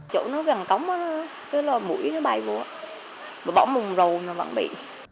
chỗ nó gần cống cái lò mũi nó bài vô bỏ mùng rầu nó vẫn bị